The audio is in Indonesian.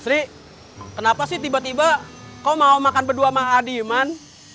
sri kenapa sih tiba tiba kau mau makan berdua sama adiman